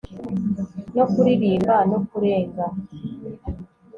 no kuririmba no kurenga